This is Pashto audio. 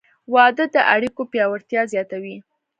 • واده د اړیکو پیاوړتیا زیاتوي.